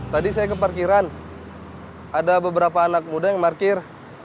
tadi saya ke parkiran ada beberapa anak muda yang parkir